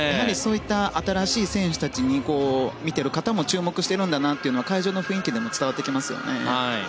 新しい選手たちに見てる方も注目しているんだなというのは会場の雰囲気からも伝わってきますよね。